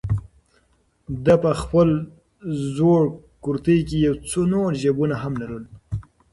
ده په خپل زوړ کورتۍ کې یو څو نور جېبونه هم لرل.